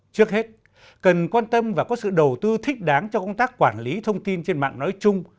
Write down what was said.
trước hết cần quan tâm và có sự đầu tư thích đáng cho công tác quản lý thông tin trên mạng nói chung